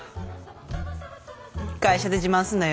会社で自慢すんなよ！